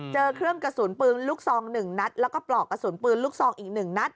เจอเครื่องกระสุนปืนลูกซอง๑นัดแล้วก็ปลอกกระสุนปืนลูกซองอีก๑นัด